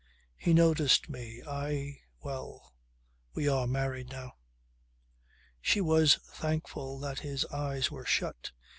He noticed me. I well we are married now." She was thankful that his eyes were shut.